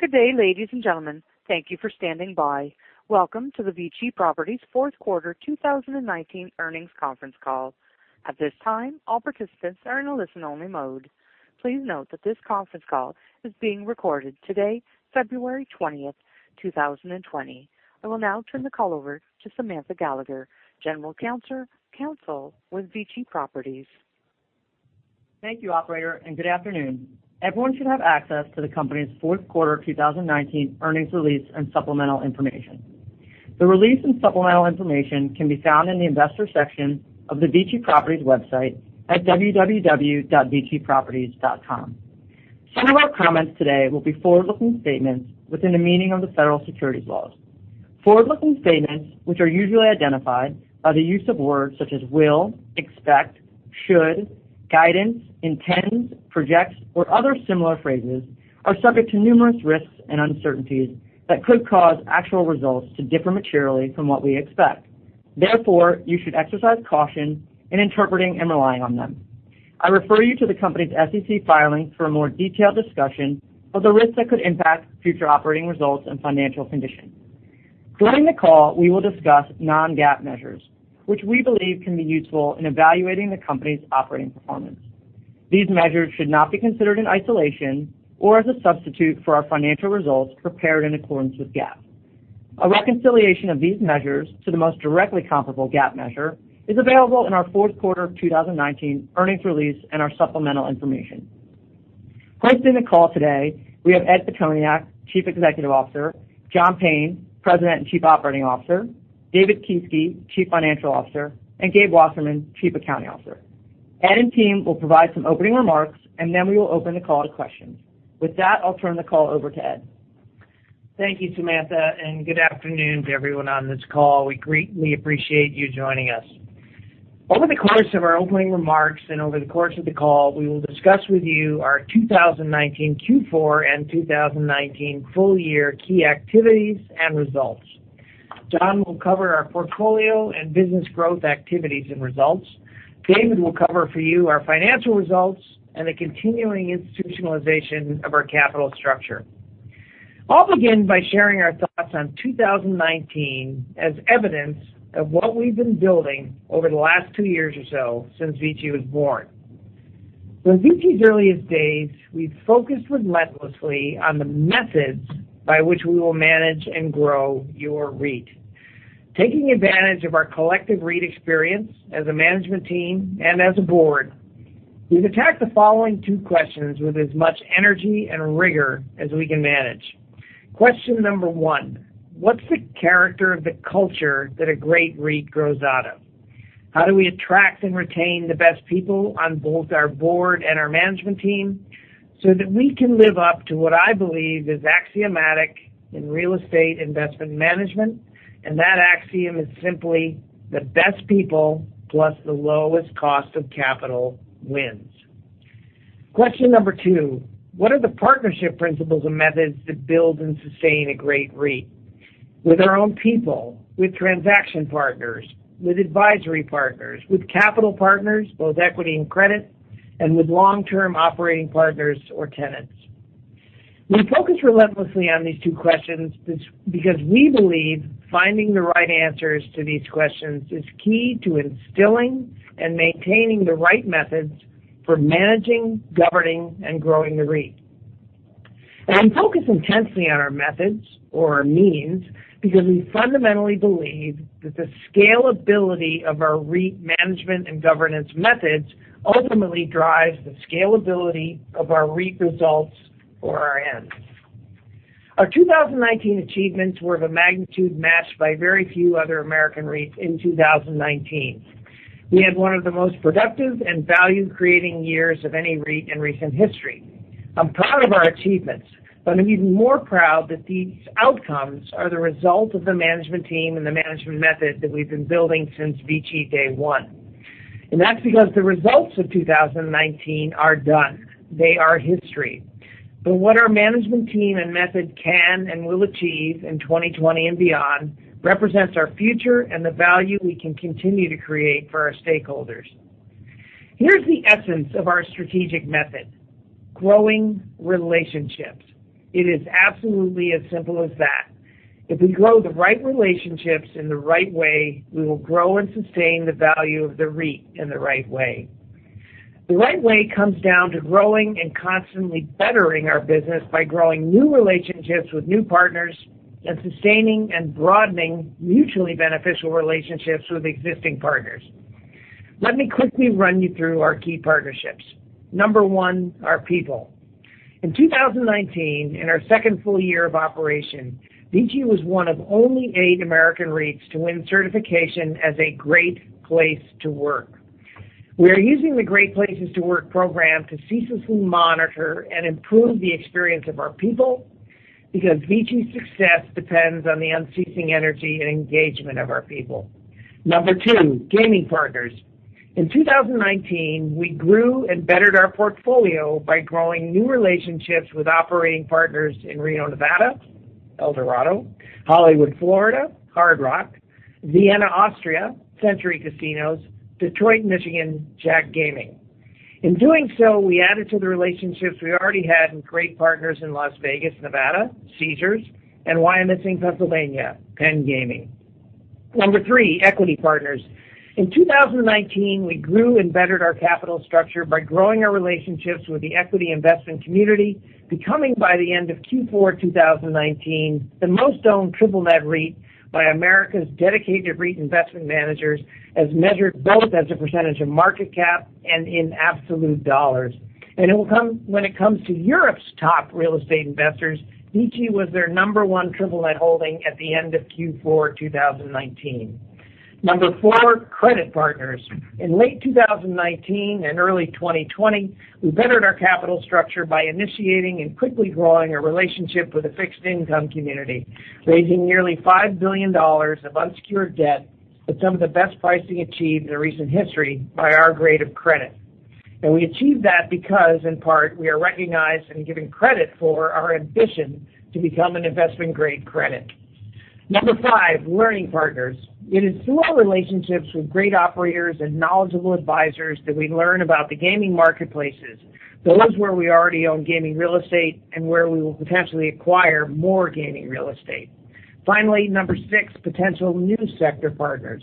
Good day, ladies and gentlemen. Thank you for standing by. Welcome to the VICI Properties fourth quarter 2019 earnings conference call. At this time, all participants are in a listen-only mode. Please note that this conference call is being recorded today, February 20th, 2020. I will now turn the call over to Samantha Gallagher, General Counsel with VICI Properties. Thank you, operator, and good afternoon. Everyone should have access to the company's fourth quarter 2019 earnings release and supplemental information. The release and supplemental information can be found in the Investors section of the VICI Properties website at www.viciproperties.com. Some of our comments today will be forward-looking statements within the meaning of the federal securities laws. Forward-looking statements, which are usually identified by the use of words such as will, expect, should, guidance, intends, projects, or other similar phrases, are subject to numerous risks and uncertainties that could cause actual results to differ materially from what we expect. Therefore, you should exercise caution in interpreting and relying on them. I refer you to the company's SEC filings for a more detailed discussion of the risks that could impact future operating results and financial conditions. During the call, we will discuss non-GAAP measures, which we believe can be useful in evaluating the company's operating performance. These measures should not be considered in isolation or as a substitute for our financial results prepared in accordance with GAAP. A reconciliation of these measures to the most directly comparable GAAP measure is available in our fourth quarter 2019 earnings release and our supplemental information. Hosting the call today, we have Ed Pitoniak, Chief Executive Officer, John Payne, President and Chief Operating Officer, David Kieske, Chief Financial Officer, and Gabe Wasserman, Chief Accounting Officer. Ed and team will provide some opening remarks, then we will open the call to questions. With that, I'll turn the call over to Ed. Thank you, Samantha. Good afternoon to everyone on this call. We greatly appreciate you joining us. Over the course of our opening remarks and over the course of the call, we will discuss with you our 2019 Q4 and 2019 full year key activities and results. John will cover our portfolio and business growth activities and results. David will cover for you our financial results and the continuing institutionalization of our capital structure. I'll begin by sharing our thoughts on 2019 as evidence of what we've been building over the last two years or so since VICI was born. From VICI's earliest days, we've focused relentlessly on the methods by which we will manage and grow your REIT. Taking advantage of our collective REIT experience as a management team and as a board, we've attacked the following two questions with as much energy and rigor as we can manage. Question number one, what's the character of the culture that a great REIT grows out of? How do we attract and retain the best people on both our board and our management team so that we can live up to what I believe is axiomatic in real estate investment management. That axiom is simply the best people plus the lowest cost of capital wins. Question number two, what are the partnership principles and methods that build and sustain a great REIT with our own people, with transaction partners, with advisory partners, with capital partners, both equity and credit, and with long-term operating partners or tenants? We focus relentlessly on these two questions because we believe finding the right answers to these questions is key to instilling and maintaining the right methods for managing, governing, and growing the REIT. We focus intensely on our methods or our means because we fundamentally believe that the scalability of our REIT management and governance methods ultimately drives the scalability of our REIT results or our ends. Our 2019 achievements were of a magnitude matched by very few other American REITs in 2019. We had one of the most productive and value-creating years of any REIT in recent history. I'm proud of our achievements, but I'm even more proud that these outcomes are the result of the management team and the management method that we've been building since VICI day one. That's because the results of 2019 are done. They are history. What our management team and method can and will achieve in 2020 and beyond represents our future and the value we can continue to create for our stakeholders. Here's the essence of our strategic method, growing relationships. It is absolutely as simple as that. If we grow the right relationships in the right way, we will grow and sustain the value of the REIT in the right way. The right way comes down to growing and constantly bettering our business by growing new relationships with new partners and sustaining and broadening mutually beneficial relationships with existing partners. Let me quickly run you through our key partnerships. Number one, our people. In 2019, in our second full year of operation, VICI was one of only eight American REITs to win certification as a Great Place To Work. We are using the Great Places To Work program to ceaselessly monitor and improve the experience of our people because VICI's success depends on the unceasing energy and engagement of our people. Number two, gaming partners. In 2019, we grew and bettered our portfolio by growing new relationships with operating partners in Reno, Nevada, Eldorado, Hollywood, Florida, Hard Rock, Vienna, Austria, Century Casinos, Detroit, Michigan, JACK Entertainment. In doing so, we added to the relationships we already had and great partners in Las Vegas, Nevada, Caesars, and Wyomissing, Pennsylvania, Penn National Gaming. Number three, equity partners. In 2019, we grew and bettered our capital structure by growing our relationships with the equity investment community, becoming by the end of Q4 2019, the most-owned triple net REIT by America's dedicated REIT investment managers, as measured both as a percentage of market cap and in absolute dollars. When it comes to Europe's top real estate investors, VICI was their number one triple net holding at the end of Q4 2019. Number four, credit partners. In late 2019 and early 2020, we bettered our capital structure by initiating and quickly growing a relationship with the fixed income community, raising nearly $5 billion of unsecured debt with some of the best pricing achieved in recent history by our grade of credit. We achieved that because, in part, we are recognized and given credit for our ambition to become an investment-grade credit. Number five, learning partners. It is through our relationships with great operators and knowledgeable advisors that we learn about the gaming marketplaces, those where we already own gaming real estate and where we will potentially acquire more gaming real estate. Finally, number six, potential new sector partners.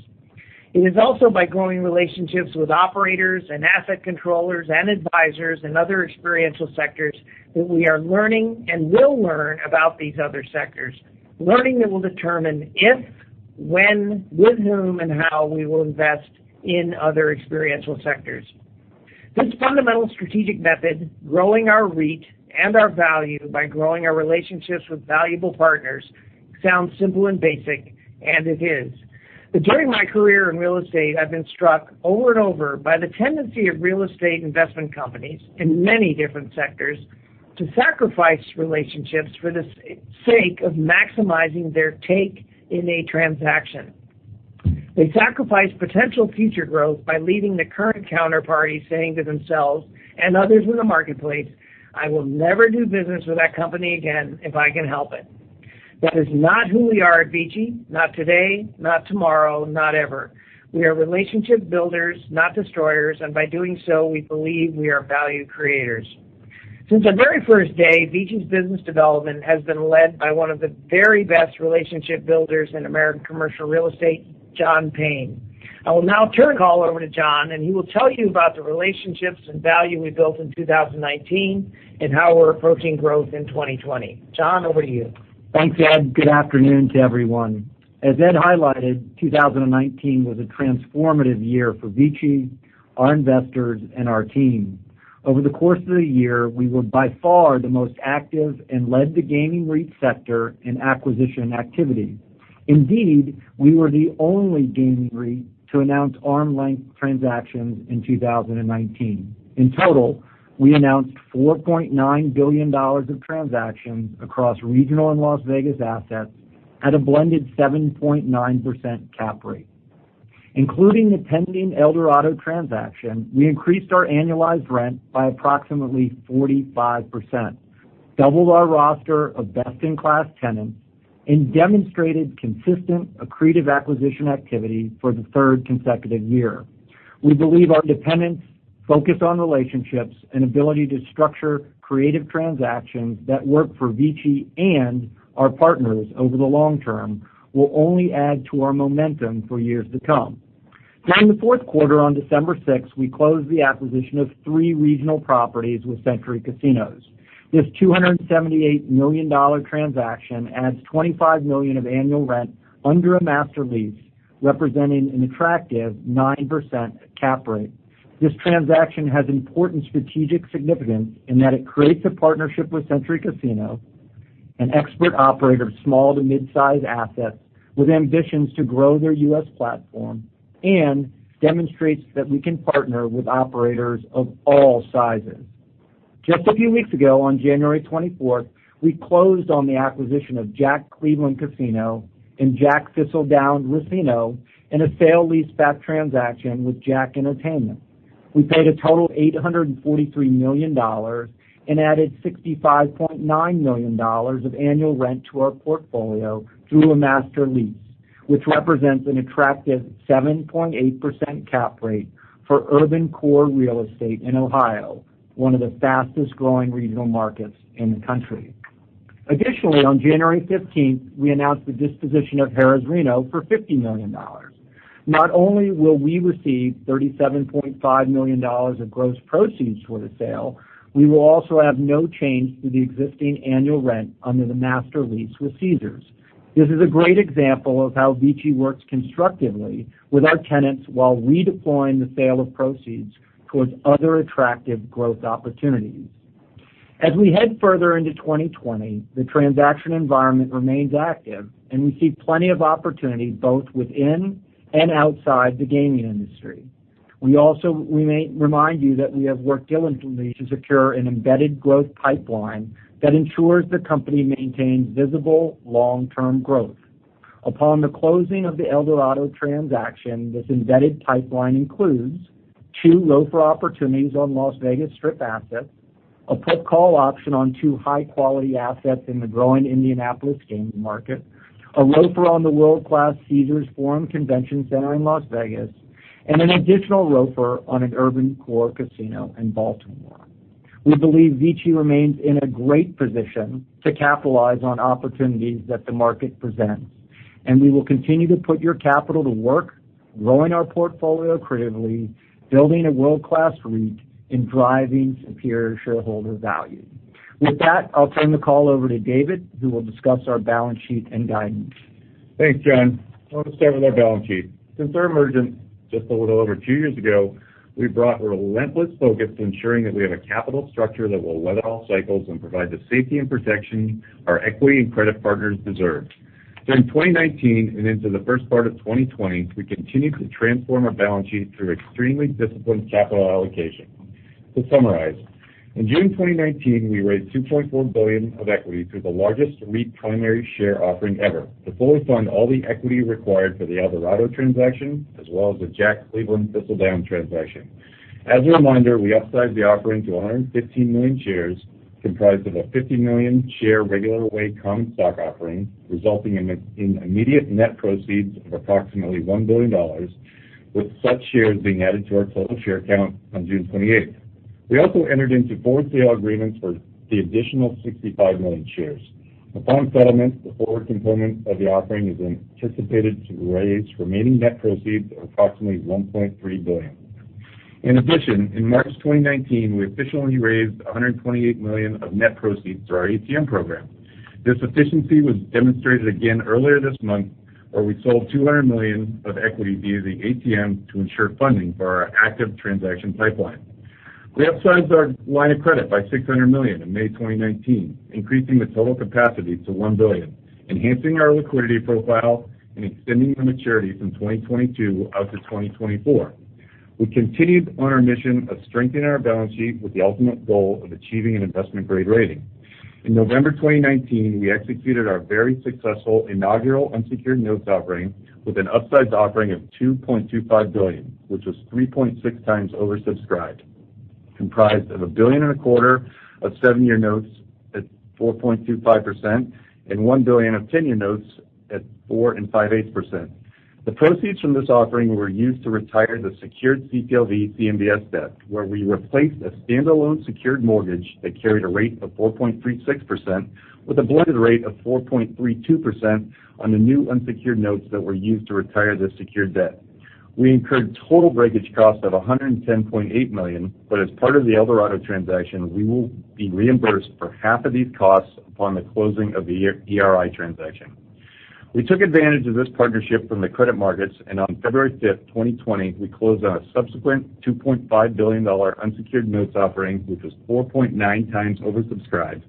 It is also by growing relationships with operators and asset controllers and advisors and other experiential sectors, that we are learning and will learn about these other sectors. Learning that will determine if, when, with whom, and how we will invest in other experiential sectors. This fundamental strategic method, growing our REIT and our value by growing our relationships with valuable partners sounds simple and basic, and it is. During my career in real estate, I've been struck over and over by the tendency of real estate investment companies in many different sectors to sacrifice relationships for the sake of maximizing their take in a transaction. They sacrifice potential future growth by leaving the current counterparty saying to themselves and others in the marketplace, "I will never do business with that company again if I can help it." That is not who we are at VICI, not today, not tomorrow, not ever. We are relationship builders, not destroyers, and by doing so, we believe we are value creators. Since our very first day, VICI's business development has been led by one of the very best relationship builders in American commercial real estate, John Payne. I will now turn the call over to John, and he will tell you about the relationships and value we built in 2019 and how we're approaching growth in 2020. John, over to you. Thanks, Ed. Good afternoon to everyone. As Ed highlighted, 2019 was a transformative year for VICI, our investors, and our team. Over the course of the year, we were by far the most active and led the gaming REIT sector in acquisition activity. Indeed, we were the only gaming REIT to announce arm's length transactions in 2019. In total, we announced $4.9 billion of transactions across regional and Las Vegas assets at a blended 7.9% cap rate. Including the pending Eldorado transaction, we increased our annualized rent by approximately 45%, doubled our roster of best-in-class tenants, and demonstrated consistent accretive acquisition activity for the third consecutive year. We believe our dependence focused on relationships and ability to structure creative transactions that work for VICI and our partners over the long term will only add to our momentum for years to come. During the fourth quarter on December sixth, we closed the acquisition of three regional properties with Century Casinos. This $278 million transaction adds $25 million of annual rent under a master lease, representing an attractive 9% cap rate. This transaction has important strategic significance in that it creates a partnership with Century Casinos, an expert operator of small to mid-size assets with ambitions to grow their U.S. platform, and demonstrates that we can partner with operators of all sizes. Just a few weeks ago, on January 24th, we closed on the acquisition of JACK Cleveland Casino and JACK Thistledown Racino in a sale leaseback transaction with JACK Entertainment. We paid a total of $843 million and added $65.9 million of annual rent to our portfolio through a master lease, which represents an attractive 7.8% cap rate for urban core real estate in Ohio, one of the fastest-growing regional markets in the country. Additionally, on January 15th, we announced the disposition of Harrah's Reno for $50 million. Not only will we receive $37.5 million of gross proceeds for the sale, we will also have no change to the existing annual rent under the master lease with Caesars. This is a great example of how VICI works constructively with our tenants while redeploying the sale of proceeds towards other attractive growth opportunities. As we head further into 2020, the transaction environment remains active, and we see plenty of opportunity both within and outside the gaming industry. We also remind you that we have worked diligently to secure an embedded growth pipeline that ensures the company maintains visible long-term growth. Upon the closing of the Eldorado transaction, this embedded pipeline includes two ROFR opportunities on Las Vegas Strip assets, a put call option on two high-quality assets in the growing Indianapolis games market, a ROFR on the world-class Caesars Forum Convention Center in Las Vegas, and an additional ROFR on an urban core casino in Baltimore. We believe VICI remains in a great position to capitalize on opportunities that the market presents, and we will continue to put your capital to work growing our portfolio creatively, building a world-class REIT, and driving superior shareholder value. With that, I'll turn the call over to David, who will discuss our balance sheet and guidance. Thanks, John. I want to start with our balance sheet. Since our emergence just a little over two years ago, we've brought relentless focus to ensuring that we have a capital structure that will weather all cycles and provide the safety and protection our equity and credit partners deserve. During 2019 and into the first part of 2020, we continued to transform our balance sheet through extremely disciplined capital allocation. To summarize, in June 2019, we raised $2.4 billion of equity through the largest REIT primary share offering ever to fully fund all the equity required for the Eldorado transaction, as well as the JACK Cleveland Thistledown transaction. As a reminder, we upsized the offering to 115 million shares, comprised of a 50-million share regular way common stock offering, resulting in immediate net proceeds of approximately $1 billion, with such shares being added to our total share count on June 28th. We also entered into four sale agreements for the additional 65 million shares. Upon settlement, the forward component of the offering is anticipated to raise remaining net proceeds of approximately $1.3 billion. In addition, in March 2019, we officially raised $128 million of net proceeds through our ATM program. This efficiency was demonstrated again earlier this month, where we sold $200 million of equity via the ATM to ensure funding for our active transaction pipeline. We upsized our line of credit by $600 million in May 2019, increasing the total capacity to $1 billion, enhancing our liquidity profile and extending the maturities from 2022 out to 2024. We continued on our mission of strengthening our balance sheet with the ultimate goal of achieving an investment-grade rating. In November 2019, we executed our very successful inaugural unsecured notes offering with an upsized offering of $2.25 billion, which was 3.6x oversubscribed, comprised of $1.25 billion of seven-year notes at 4.25% and $1 billion of 10-year notes at 4.625%. The proceeds from this offering were used to retire the secured CPLV CMBS debt, where we replaced a standalone secured mortgage that carried a rate of 4.36% with a blended rate of 4.32% on the new unsecured notes that were used to retire the secured debt. We incurred total breakage costs of $110.8 million, as part of the Eldorado transaction, we will be reimbursed for half of these costs upon the closing of the ERI transaction. We took advantage of this partnership from the credit markets. On February 5, 2020, we closed on a subsequent $2.5 billion unsecured notes offering, which was 4.9x oversubscribed,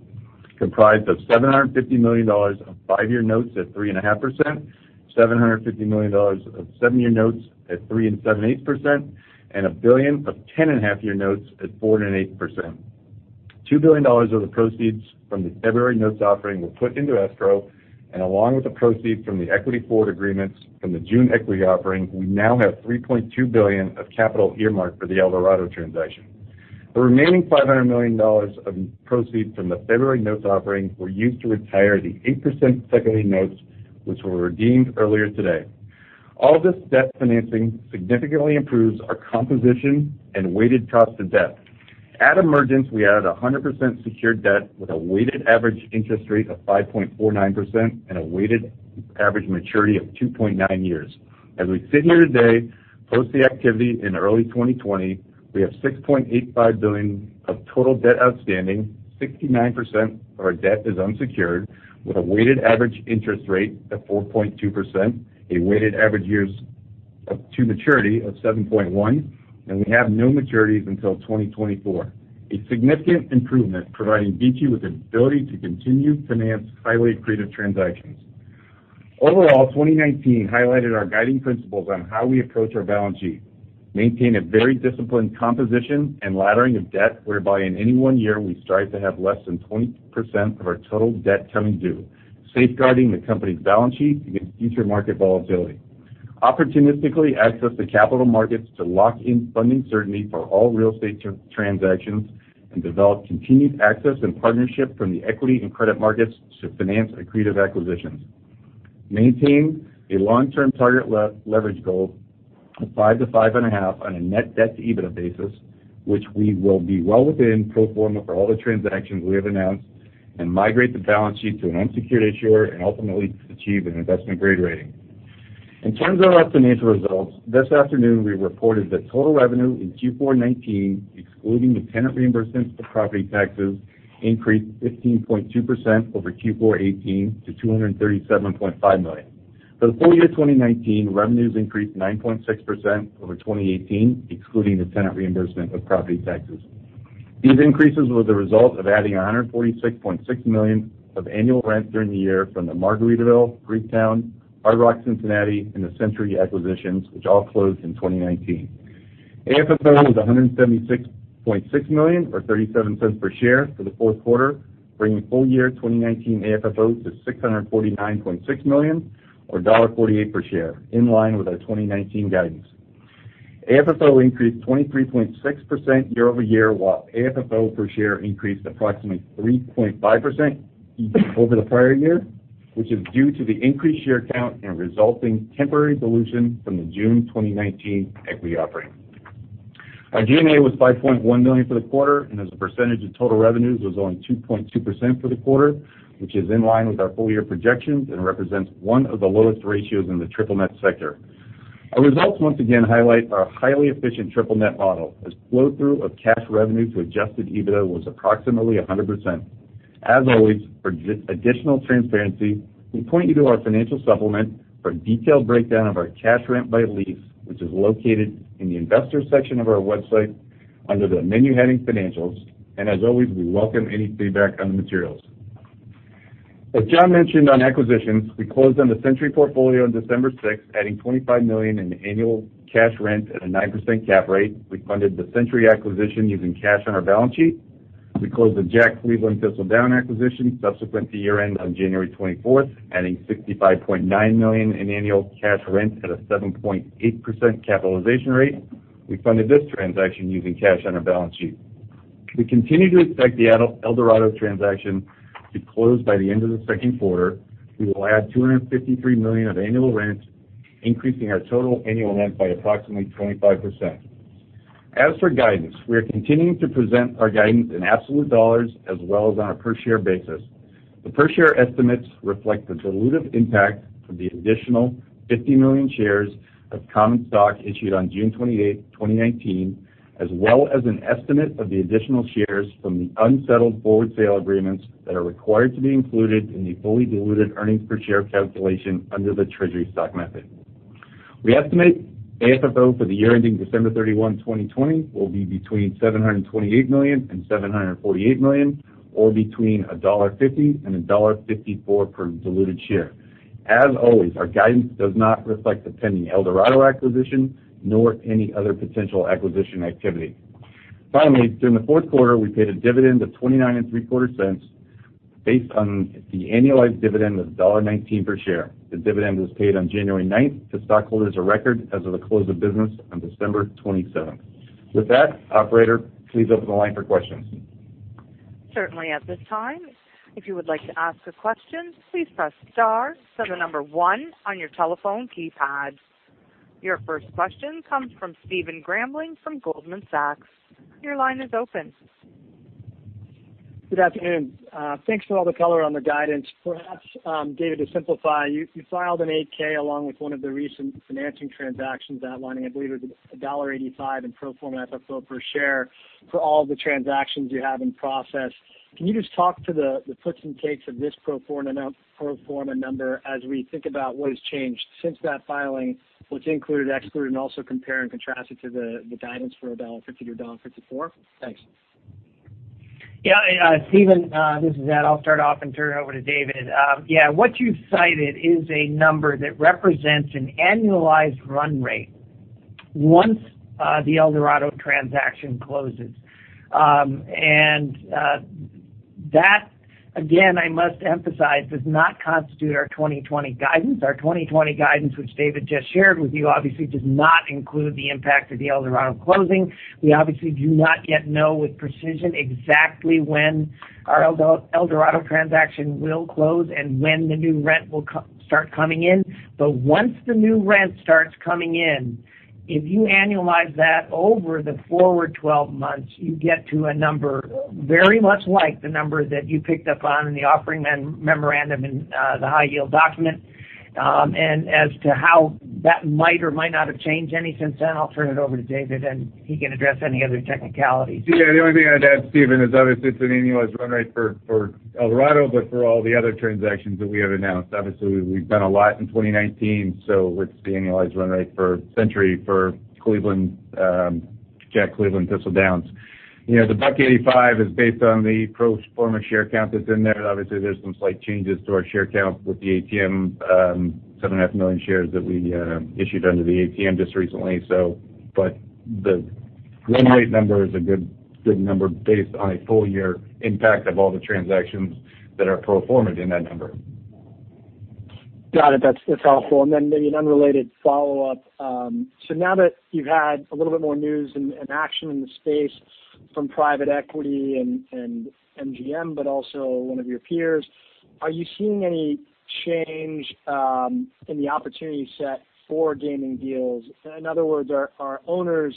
comprised of $750 million of five-year notes at 3.5%, $750 million of seven-year notes at 3.75%, and $1 billion of 10.5-year notes at 4.8%. $2 billion of the proceeds from the February notes offering were put into escrow. Along with the proceeds from the equity forward agreements from the June equity offering, we now have $3.2 billion of capital earmarked for the Eldorado transaction. The remaining $500 million of proceeds from the February notes offering were used to retire the 8% second lien notes, which were redeemed earlier today. All this debt financing significantly improves our composition and weighted cost of debt. At emergence, we added 100% secured debt with a weighted average interest rate of 5.49% and a weighted average maturity of 2.9 years. As we sit here today, post the activity in early 2020, we have $6.85 billion of total debt outstanding, 69% of our debt is unsecured with a weighted average interest rate of 4.2%, a weighted average years to maturity of 7.1, and we have no maturities until 2024. A significant improvement, providing VICI with the ability to continue to finance highly accretive transactions. Overall, 2019 highlighted our guiding principles on how we approach our balance sheet, maintain a very disciplined composition and laddering of debt, whereby in any one year, we strive to have less than 20% of our total debt coming due, safeguarding the company's balance sheet against future market volatility. Opportunistically access the capital markets to lock in funding certainty for all real estate transactions and develop continued access and partnership from the equity and credit markets to finance accretive acquisitions. Maintain a long-term target leverage goal of 5 to 5.5 on a net debt to EBITDA basis, which we will be well within pro forma for all the transactions we have announced, and migrate the balance sheet to an unsecured issuer and ultimately achieve an investment-grade rating. In terms of our financial results, this afternoon we reported that total revenue in Q4 2019, excluding the tenant reimbursements for property taxes, increased 15.2% over Q4 2018 to $237.5 million. For the full-year 2019, revenues increased 9.6% over 2018, excluding the tenant reimbursement of property taxes. These increases were the result of adding $146.6 million of annual rent during the year from the Margaritaville, Greektown, Hard Rock Cincinnati, and the Century acquisitions, which all closed in 2019. AFFO was $176.6 million, or $0.37 per share for the fourth quarter, bringing full-year 2019 AFFO to $649.6 million or $1.48 per share, in line with our 2019 guidance. AFFO increased 23.6% year-over-year, while AFFO per share increased approximately 3.5% over the prior year, which is due to the increased share count and resulting temporary dilution from the June 2019 equity offering. Our G&A was $5.1 million for the quarter and as a percentage of total revenues was only 2.2% for the quarter, which is in line with our full-year projections and represents one of the lowest ratios in the triple net sector. Our results once again highlight our highly efficient triple net model, as flow-through of cash revenue to adjusted EBITDA was approximately 100%. As always, for additional transparency, we point you to our financial supplement for a detailed breakdown of our cash rent by lease, which is located in the investors section of our website under the menu heading Financials. As always, we welcome any feedback on the materials. As John mentioned on acquisitions, we closed on the Century portfolio on December 6th, adding $25 million in annual cash rent at a 9% cap rate. We funded the Century acquisition using cash on our balance sheet. We closed the JACK Cleveland Thistledown acquisition subsequent to year-end on January 24th, adding $65.9 million in annual cash rent at a 7.8% capitalization rate. We funded this transaction using cash on our balance sheet. We continue to expect the Eldorado transaction to close by the end of the second quarter. We will add $253 million of annual rent, increasing our total annual rent by approximately 25%. As for guidance, we are continuing to present our guidance in absolute dollars as well as on a per-share basis. The per-share estimates reflect the dilutive impact of the additional 50 million shares of common stock issued on June 28, 2019, as well as an estimate of the additional shares from the unsettled forward sale agreements that are required to be included in the fully diluted earnings per share calculation under the treasury stock method. We estimate AFFO for the year ending December 31, 2020, will be between $728 million and $748 million, or between $1.50 and $1.54 per diluted share. As always, our guidance does not reflect the pending Eldorado acquisition nor any other potential acquisition activity. During the fourth quarter, we paid a dividend of $0.2975 based on the annualized dividend of $1.19 per share. The dividend was paid on January 9th to stockholders of record as of the close of business on December 27th. With that, operator, please open the line for questions. Certainly. At this time, if you would like to ask a question, please press star, then the number one on your telephone keypad. Your first question comes from Stephen Grambling from Goldman Sachs. Your line is open. Good afternoon. Thanks for all the color on the guidance. Perhaps, David, to simplify, you filed an 8-K along with one of the recent financing transactions outlining, I believe it was $1.85 in pro forma AFFO per share for all the transactions you have in process. Can you just talk to the puts and takes of this pro forma number as we think about what has changed since that filing, what's included, excluded, and also compare and contrast it to the guidance for $1.50 to $1.54? Thanks. Stephen, this is Ed. I'll start off and turn it over to David. What you've cited is a number that represents an annualized run rate once the Eldorado transaction closes. That, again, I must emphasize, does not constitute our 2020 guidance. Our 2020 guidance, which David just shared with you, obviously does not include the impact of the Eldorado closing. We obviously do not yet know with precision exactly when our Eldorado transaction will close and when the new rent will start coming in. Once the new rent starts coming in, if you annualize that over the forward 12 months, you get to a number very much like the number that you picked up on in the offering memorandum in the high yield document. As to how that might or might not have changed any since then, I'll turn it over to David, and he can address any other technicalities. The only thing I'd add, Stephen, is obviously it's an annualized run rate for Eldorado, for all the other transactions that we have announced. We've done a lot in 2019, it's the annualized run rate for Century, for JACK Cleveland Thistledown. The $1.85 is based on the pro forma share count that's in there. There's some slight changes to our share count with the ATM 7.5 million shares that we issued under the ATM just recently. The run rate number is a good number based on a full-year impact of all the transactions that are pro forma'd in that number. Got it. That's helpful. Then maybe an unrelated follow-up. Now that you've had a little bit more news and action in the space from private equity and MGM, but also one of your peers, are you seeing any change in the opportunity set for gaming deals? In other words, are owners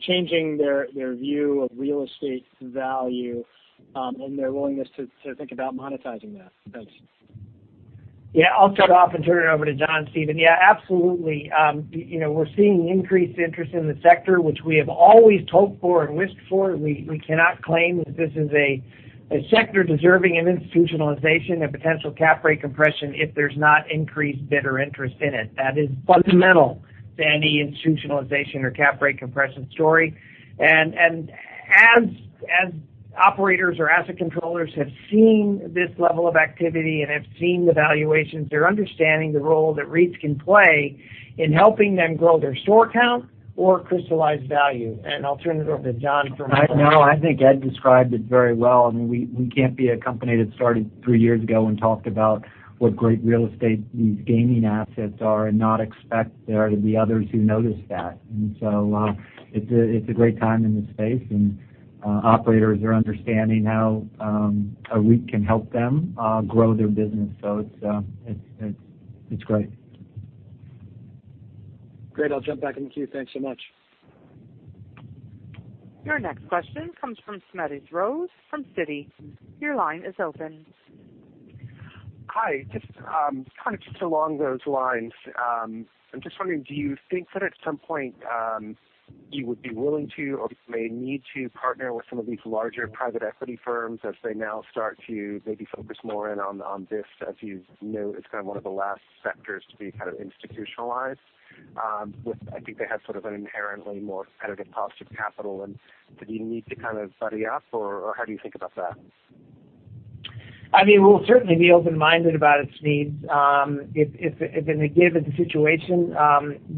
changing their view of real estate value and their willingness to think about monetizing that? Thanks. Yeah. I'll start off and turn it over to John, Stephen. Yeah, absolutely. We're seeing increased interest in the sector, which we have always hoped for and wished for. We cannot claim that this is a sector deserving of institutionalization and potential cap rate compression if there's not increased bidder interest in it. That is fundamental to any institutionalization or cap rate compression story. As operators or asset controllers have seen this level of activity and have seen the valuations. They're understanding the role that REITs can play in helping them grow their store count or crystallize value. I'll turn it over to John for more. No, I think Ed described it very well. We can't be a company that started three years ago and talked about what great real estate these gaming assets are and not expect there to be others who notice that. It's a great time in this space, and operators are understanding how a REIT can help them grow their business. It's great. Great. I'll jump back in the queue. Thanks so much. Your next question comes from Smedes Rose from Citi. Your line is open. Hi. Just along those lines, I'm just wondering, do you think that at some point, you would be willing to or may need to partner with some of these larger private equity firms as they now start to maybe focus more in on this, as you note, it's one of the last sectors to be kind of institutionalized with, I think they have sort of an inherently more competitive cost of capital, and do you need to kind of buddy up, or how do you think about that? We'll certainly be open-minded about its needs. If in a given situation,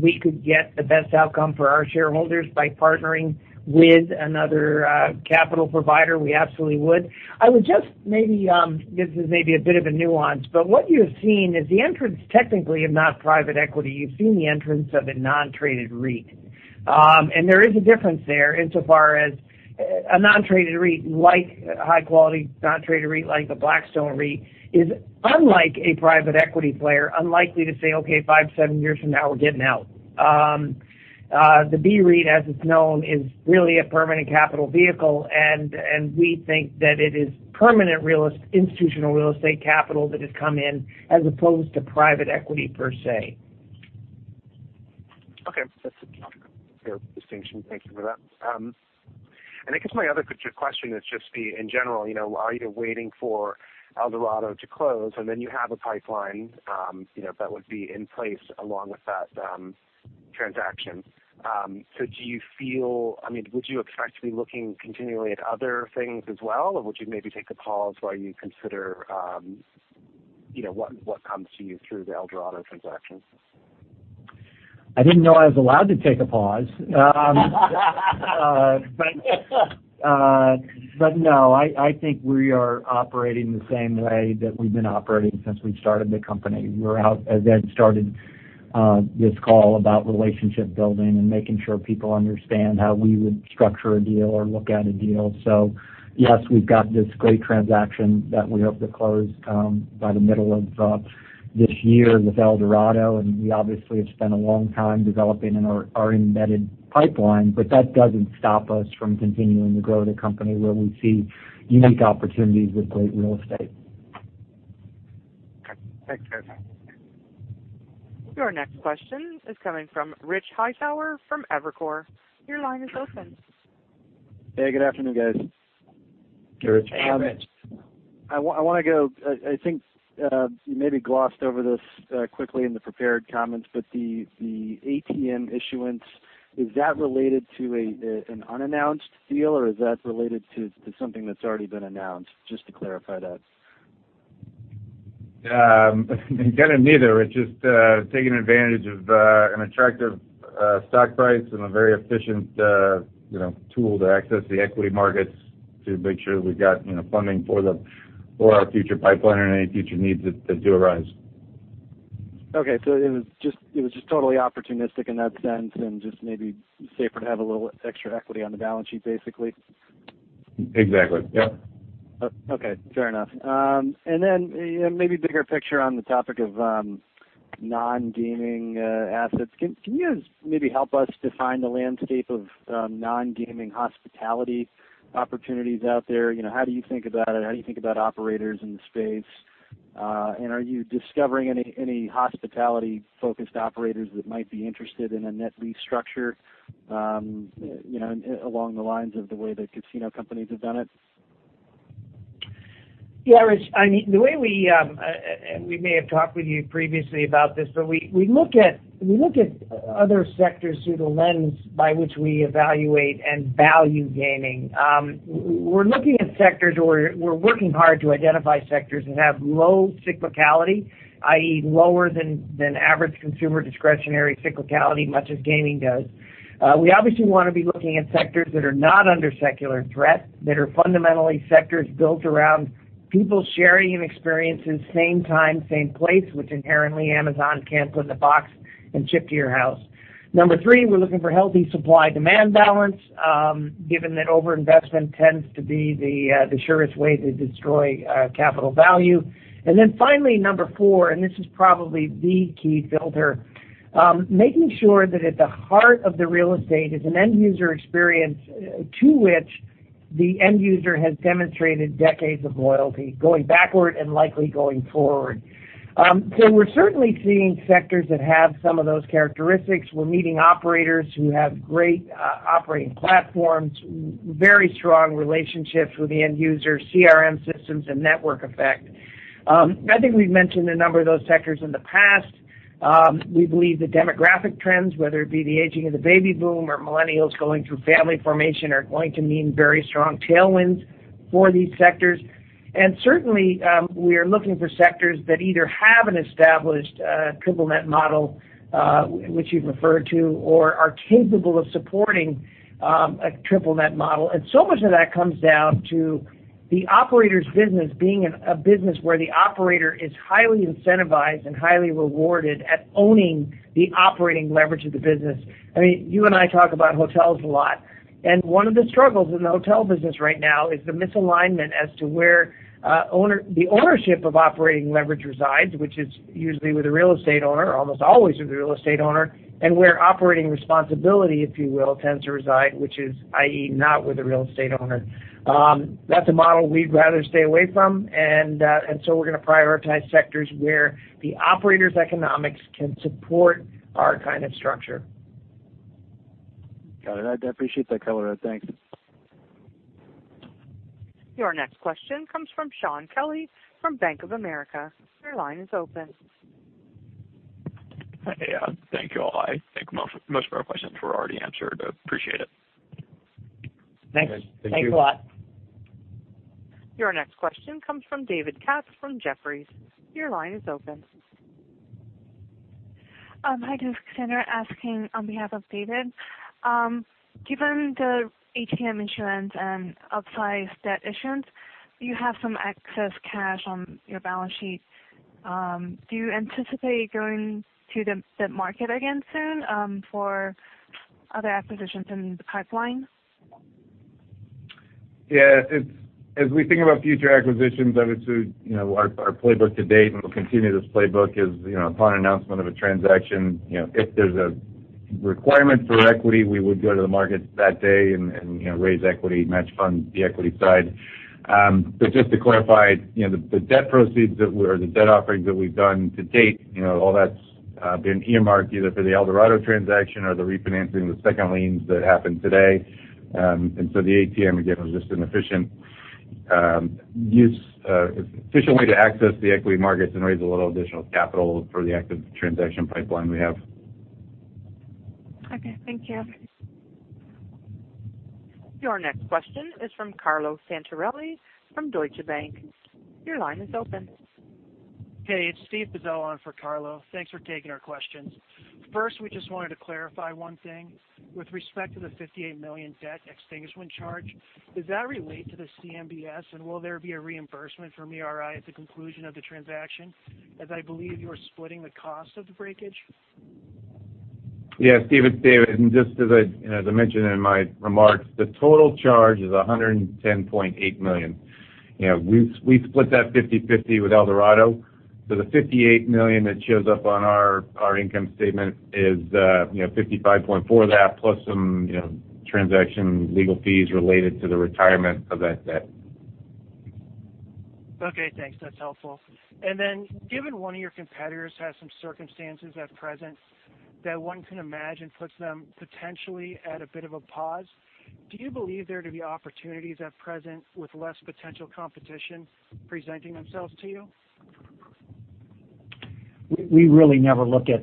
we could get the best outcome for our shareholders by partnering with another capital provider, we absolutely would. I would just maybe, this is maybe a bit of a nuance, but what you've seen is the entrance, technically, of not private equity. You've seen the entrance of a non-traded REIT. There is a difference there insofar as a non-traded REIT, like a high-quality non-traded REIT, like a Blackstone REIT, is unlike a private equity player, unlikely to say, "Okay, five, seven years from now, we're getting out." The BREIT, as it's known, is really a permanent capital vehicle, and we think that it is permanent institutional real estate capital that has come in as opposed to private equity per se. Okay. That's a fair distinction. Thank you for that. I guess my other question is just the, in general, are you waiting for Eldorado to close, and then you have a pipeline that would be in place along with that transaction. Would you expect to be looking continually at other things as well? Or would you maybe take a pause while you consider what comes to you through the Eldorado transaction? I didn't know I was allowed to take a pause. No, I think we are operating the same way that we've been operating since we started the company. We're out, as Ed started this call, about relationship building and making sure people understand how we would structure a deal or look at a deal. Yes, we've got this great transaction that we hope to close by the middle of this year with Eldorado, and we obviously have spent a long time developing our embedded pipeline, but that doesn't stop us from continuing to grow the company where we see unique opportunities with great real estate. Okay. Thanks, guys. Your next question is coming from Rich Hightower from Evercore. Your line is open. Hey, good afternoon, guys. Hey, Rich. Hey, Rich. I want to go, you maybe glossed over this quickly in the prepared comments. The ATM issuance, is that related to an unannounced deal, or is that related to something that's already been announced? Just to clarify that. Kind of neither. It's just taking advantage of an attractive stock price and a very efficient tool to access the equity markets to make sure that we've got funding for our future pipeline or any future needs that do arise. Okay. It was just totally opportunistic in that sense and just maybe safer to have a little extra equity on the balance sheet, basically. Exactly. Yep. Okay. Fair enough. Maybe bigger picture on the topic of non-gaming assets. Can you guys maybe help us define the landscape of non-gaming hospitality opportunities out there? How do you think about it? How do you think about operators in the space? Are you discovering any hospitality-focused operators that might be interested in a net lease structure along the lines of the way that casino companies have done it? Yeah, Rich. We may have talked with you previously about this, but we look at other sectors through the lens by which we evaluate and value gaming. We're looking at sectors, or we're working hard to identify sectors that have low cyclicality, i.e., lower than average consumer discretionary cyclicality, much as gaming does. We obviously want to be looking at sectors that are not under secular threat, that are fundamentally sectors built around people sharing an experience in same time, same place, which inherently Amazon can't put in a box and ship to your house. Number three, we're looking for healthy supply-demand balance, given that overinvestment tends to be the surest way to destroy capital value. Finally, number four, and this is probably the key filter, making sure that at the heart of the real estate is an end-user experience to which the end user has demonstrated decades of loyalty going backward and likely going forward. We're certainly seeing sectors that have some of those characteristics. We're meeting operators who have great operating platforms, very strong relationships with the end user, CRM systems, and network effect. I think we've mentioned a number of those sectors in the past. We believe the demographic trends, whether it be the aging of the baby boom or millennials going through family formation, are going to mean very strong tailwinds for these sectors. Certainly, we are looking for sectors that either have an established triple net model, which you've referred to, or are capable of supporting a triple net model. So much of that comes down to the operator's business being a business where the operator is highly incentivized and highly rewarded at owning the operating leverage of the business. You and I talk about hotels a lot. One of the struggles in the hotel business right now is the misalignment as to where the ownership of operating leverage resides, which is usually with the real estate owner, almost always with the real estate owner, and where operating responsibility, if you will, tends to reside, which is, i.e., not with the real estate owner. That's a model we'd rather stay away from. So we're going to prioritize sectors where the operator's economics can support our kind of structure. Got it. I appreciate that color. Thanks. Your next question comes from Shaun Kelley from Bank of America. Your line is open. Hey. Thank you. I think most of our questions were already answered, but appreciate it. Thanks. Thank you. Thanks a lot. Your next question comes from David Katz from Jefferies. Your line is open. Hi, this is Cassandra asking on behalf of David. Given the ATM issuance and upsized debt issuance, you have some excess cash on your balance sheet. Do you anticipate going to the debt market again soon for other acquisitions in the pipeline? Yeah. As we think about future acquisitions, obviously, our playbook to date, and we'll continue this playbook, is upon announcement of a transaction, if there's a requirement for equity, we would go to the market that day and raise equity, match funds the equity side. Just to clarify, the debt offerings that we've done to date, all that's been earmarked either for the Eldorado transaction or the refinancing of the second liens that happened today. The ATM, again, was just an efficient way to access the equity markets and raise a little additional capital for the active transaction pipeline we have. Okay. Thank you. Your next question is from Carlo Santarelli from Deutsche Bank. Your line is open. Hey. It's Steve Pizzella on for Carlo. Thanks for taking our questions. First, we just wanted to clarify one thing. With respect to the $58 million debt extinguishment charge, does that relate to the CMBS, and will there be a reimbursement from ERI at the conclusion of the transaction, as I believe you are splitting the cost of the breakage? Yeah. Steve, it's David. Just as I mentioned in my remarks, the total charge is $110.8 million. We split that 50-50 with Eldorado. The $58 million that shows up on our income statement is $55.4 of that, plus some transaction legal fees related to the retirement of that debt. Okay, thanks. That's helpful. Given one of your competitors has some circumstances at present that one can imagine puts them potentially at a bit of a pause, do you believe there to be opportunities at present with less potential competition presenting themselves to you? We really never look at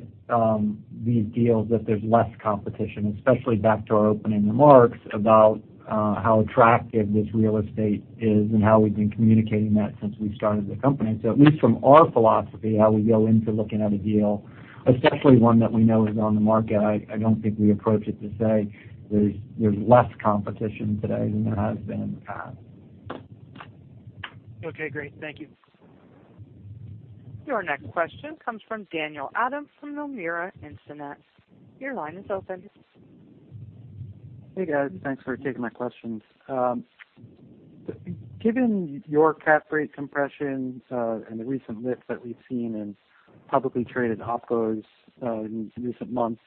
these deals if there's less competition, especially back to our opening remarks about how attractive this real estate is and how we've been communicating that since we started the company. At least from our philosophy, how we go into looking at a deal, especially one that we know is on the market, I don't think we approach it to say there's less competition today than there has been in the past. Okay, great. Thank you. Your next question comes from Daniel Adam from Nomura Instinet. Your line is open. Hey, guys. Thanks for taking my questions. Given your cap rate compressions and the recent lifts that we've seen in publicly traded OpCos in recent months,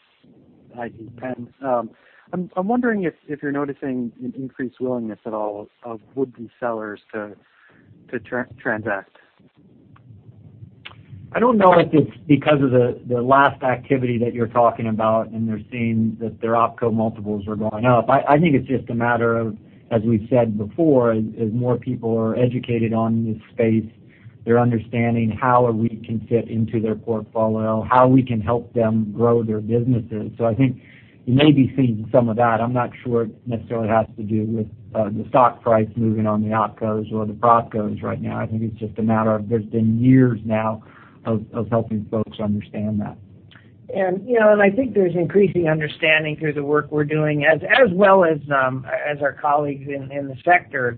i.e., PENN, I'm wondering if you're noticing an increased willingness at all of would-be sellers to transact. I don't know if it's because of the last activity that you're talking about, and they're seeing that their OpCo multiples are going up. I think it's just a matter of, as we've said before, as more people are educated on this space, they're understanding how a REIT can fit into their portfolio, how we can help them grow their businesses. I think you may be seeing some of that. I'm not sure it necessarily has to do with the stock price moving on the OpCos or the PropCos right now. I think it's just a matter of there's been years now of helping folks understand that. I think there's increasing understanding through the work we're doing, as well as our colleagues in the sector.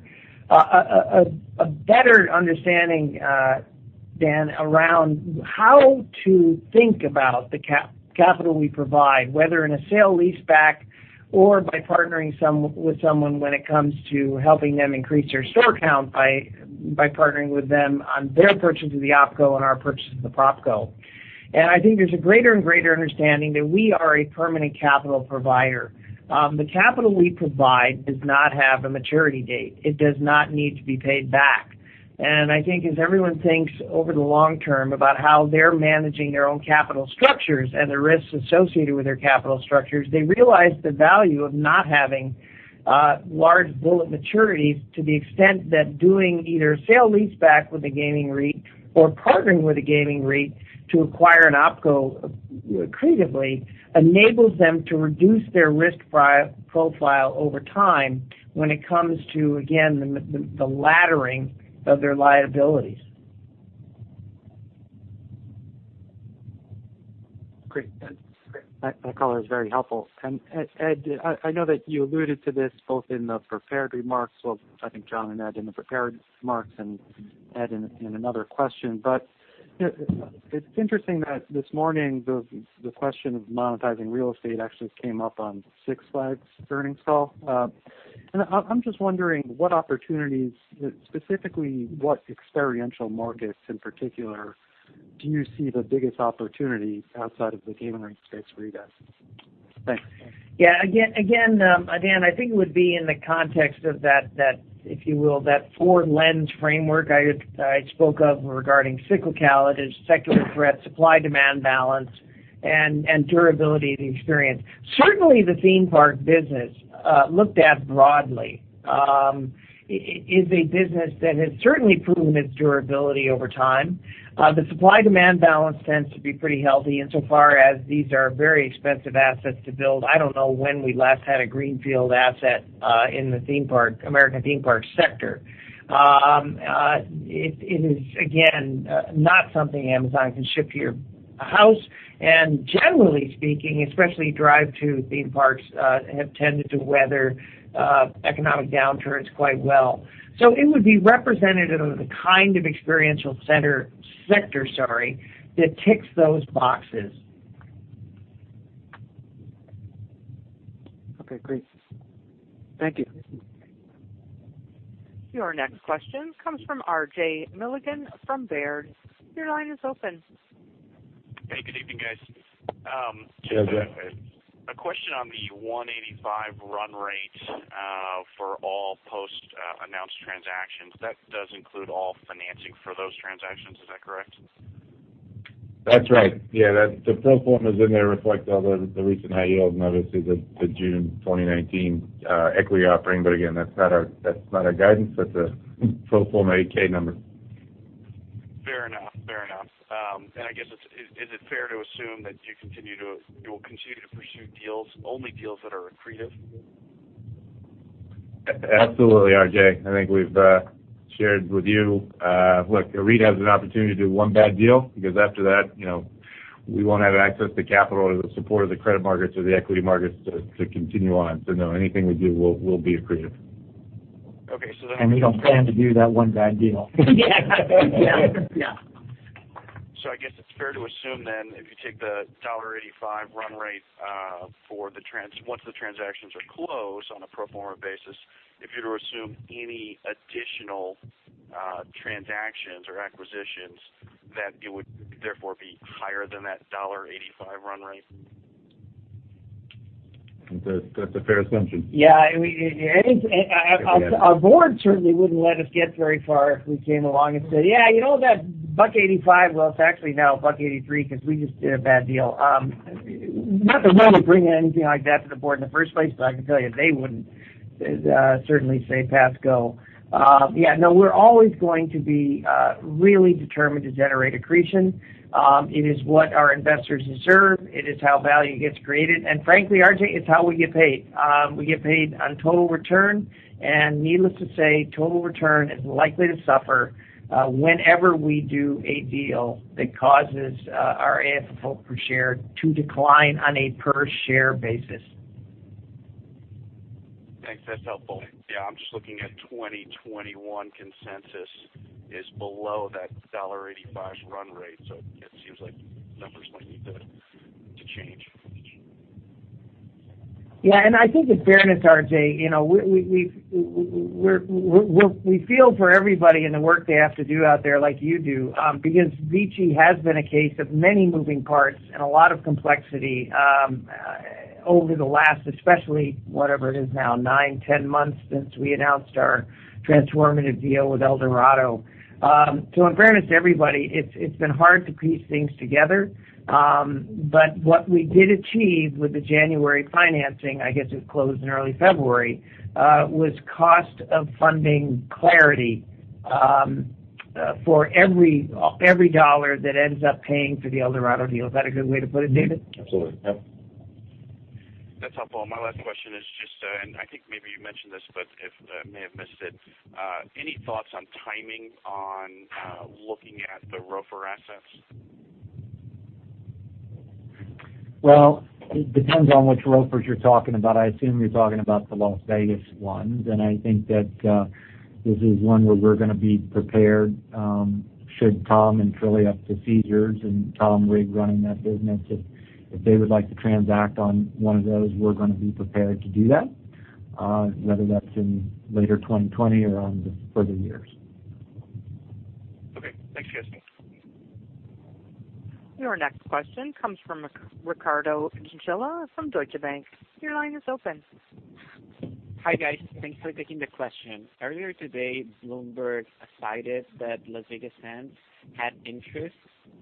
A better understanding, Dan, around how to think about the capital we provide, whether in a sale-lease-back or by partnering with someone when it comes to helping them increase their store count by partnering with them on their purchase of the OpCo and our purchase of the PropCo. I think there's a greater and greater understanding that we are a permanent capital provider. The capital we provide does not have a maturity date. It does not need to be paid back. I think as everyone thinks over the long term about how they're managing their own capital structures and the risks associated with their capital structures, they realize the value of not having large bullet maturities to the extent that doing either sale leaseback with a gaming REIT or partnering with a gaming REIT to acquire an OpCo accretively enables them to reduce their risk profile over time when it comes to, again, the laddering of their liabilities. Great. That color is very helpful. Ed, I know that you alluded to this both in the prepared remarks, well, I think John and Ed in the prepared remarks and Ed in another question, but it's interesting that this morning the question of monetizing real estate actually came up on Six Flags earnings call. I'm just wondering what opportunities, specifically what experiential markets in particular, do you see the biggest opportunity outside of the gaming REIT space for you guys? Thanks. Yeah. Again, Dan, I think it would be in the context of that, if you will, that four-lens framework I spoke of regarding cyclicality, secular threat, supply-demand balance, and durability of the experience. Certainly, the theme park business, looked at broadly, is a business that has certainly proven its durability over time. The supply-demand balance tends to be pretty healthy insofar as these are very expensive assets to build. I don't know when we last had a greenfield asset in the American theme park sector. It is, again, not something Amazon can ship to your house, and generally speaking, especially drive to theme parks, have tended to weather economic downturns quite well. It would be representative of the kind of experiential sector, sorry, that ticks those boxes. Okay, great. Thank you. Your next question comes from R.J. Milligan from Baird. Your line is open. Hey, good evening, guys. Yeah, R.J. A question on the $1.85 run rate for all post-announced transactions. That does include all financing for those transactions, is that correct? That's right. The pro formas in there reflect all the recent high yields, and obviously the June 2019 equity offering. Again, that's not our guidance, that's a pro forma 8-K number. Fair enough. I guess, is it fair to assume that you will continue to pursue deals, only deals that are accretive? Absolutely, R.J. I think we've shared with you, look, a REIT has an opportunity to do one bad deal because after that, we won't have access to capital or the support of the credit markets or the equity markets to continue on. No, anything we do will be accretive. Okay. We don't plan to do that one bad deal. I guess it's fair to assume, if you take the $1.85 run rate, once the transactions are closed on a pro forma basis, if you were to assume any additional transactions or acquisitions, that it would therefore be higher than that $1.85 run rate? That's a fair assumption. Yeah. Our board certainly wouldn't let us get very far if we came along and said, "Yeah, you know that $1.85? Well, it's actually now a $1.83 because we just did a bad deal." Not that we would bring anything like that to the board in the first place, but I can tell you they wouldn't certainly say, "Pass. Go." Yeah, no, we're always going to be really determined to generate accretion. It is what our investors deserve. It is how value gets created. Frankly, R.J., it's how we get paid. We get paid on total return, and needless to say, total return is likely to suffer whenever we do a deal that causes our AFFO per share to decline on a per-share basis. Thanks. That's helpful. Yeah, I'm just looking at 2021 consensus is below that $1.85 run rate, so it seems like numbers might need to change. I think in fairness, R.J., we feel for everybody and the work they have to do out there like you do, because VICI has been a case of many moving parts and a lot of complexity over the last, especially, whatever it is now, nine, 10 months since we announced our transformative deal with Eldorado. In fairness to everybody, it's been hard to piece things together. What we did achieve with the January financing, I guess it closed in early February, was cost of funding clarity for every dollar that ends up paying for the Eldorado deal. Is that a good way to put it, David? Absolutely. Yep. That's helpful. My last question is just, and I think maybe you mentioned this, but I may have missed it. Any thoughts on timing on looking at the ROFR assets? Well, it depends on which ROFRs you're talking about. I assume you're talking about the Las Vegas ones. I think that this is one where we're going to be prepared should Tom and proceed here and Tom Reeg running that business. If they would like to transact on one of those, we're going to be prepared to do that, whether that's in later 2020 or on to further years. Okay. Thanks, guys. Your next question comes from Ricardo Chinchilla from Deutsche Bank. Your line is open. Hi, guys. Thanks for taking the question. Earlier today, Bloomberg cited that Las Vegas Sands had interest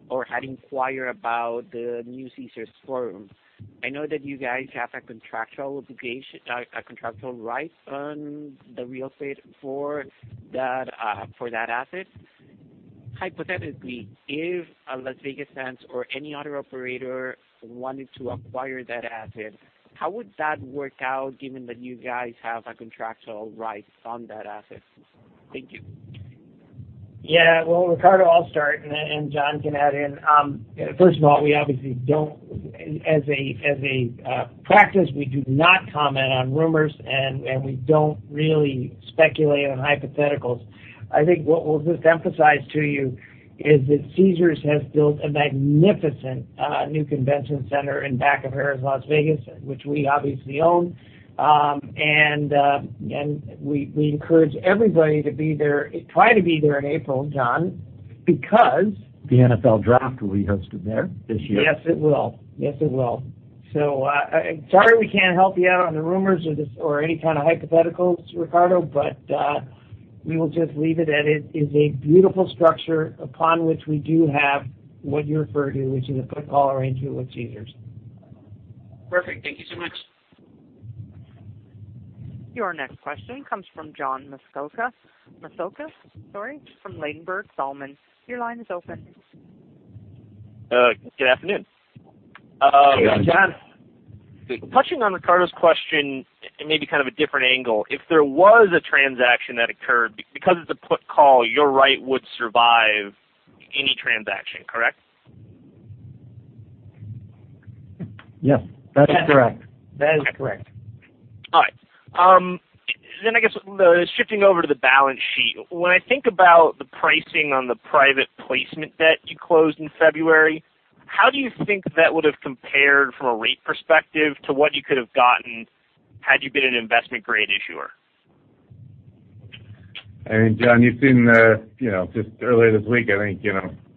or had inquired about the new Caesars Forum. I know that you guys have a contractual right on the real estate for that asset. Hypothetically, if Las Vegas Sands or any other operator wanted to acquire that asset, how would that work out, given that you guys have a contractual right on that asset? Thank you. Yeah. Well, Ricardo, I'll start. John can add in. First of all, as a practice, we do not comment on rumors. We don't really speculate on hypotheticals. I think what we'll just emphasize to you is that Caesars has built a magnificent new convention center in back of Harrah's Las Vegas, which we obviously own. We encourage everybody to try to be there in April, John. The NFL Draft will be hosted there this year. Yes, it will. Sorry, we can't help you out on the rumors or any kind of hypotheticals, Ricardo, but, we will just leave it at it is a beautiful structure upon which we do have what you're referring to, which is a put call arrangement with Caesars. Perfect. Thank you so much. Your next question comes from John Massocca. Massocca, sorry, from Ladenburg Thalmann. Your line is open. Good afternoon. Hey, John. Touching on Ricardo's question in maybe kind of a different angle, if there was a transaction that occurred, because it's a put call, your right would survive any transaction, correct? Yes, that is correct. That is correct. All right. I guess, shifting over to the balance sheet, when I think about the pricing on the private placement debt you closed in February, how do you think that would have compared from a rate perspective to what you could have gotten had you been an investment-grade issuer? I mean, John, you've seen just earlier this week, I think,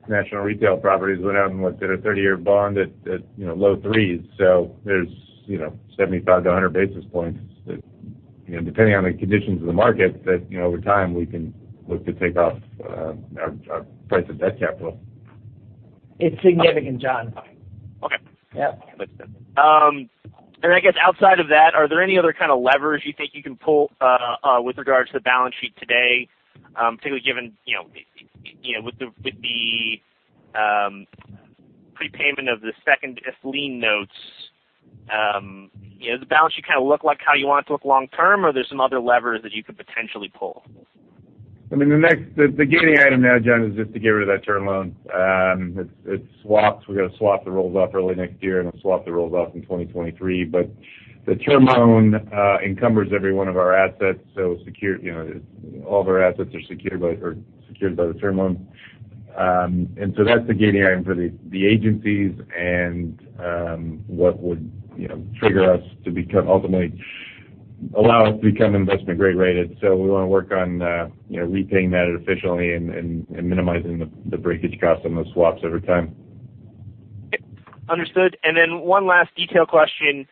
National Retail Properties went out and did a 30-year bond at low threes. There is 75 to 100 basis points that, depending on the conditions of the market, that over time we can look to take off our price of debt capital. It's significant, John. Okay. Yep. I guess outside of that, are there any other kind of levers you think you can pull with regards to the balance sheet today, particularly given with the prepayment of the second lien notes? Does the balance sheet kind of look like how you want it to look long term, or are there some other levers that you could potentially pull? I mean, the gating item now, John, is just to get rid of that term loan. It swaps. We've got a swap that rolls off early next year, and a swap that rolls off in 2023. The term loan encumbers every one of our assets, so all of our assets are secured by the term loan. That's the gating item for the agencies and what would ultimately allow us to become investment grade rated. We want to work on repaying that efficiently and minimizing the breakage cost on those swaps over time. Understood. One last detail question.